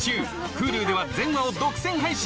ｈｕｌｕでは全話を独占配信！